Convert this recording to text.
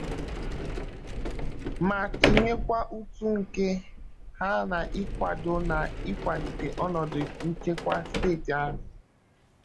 ma tụnyekwa ụtụ nke ha n'ịkwàdo na ịkwàlite ọnọdụ nchekwa steeti ahụ.